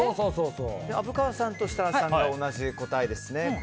虻川さんと設楽さんが同じ答えですね。